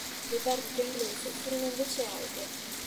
Le perdite inglesi furono invece alte.